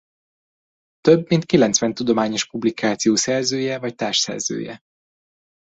Több mint kilencven tudományos publikáció szerzője vagy társszerzője.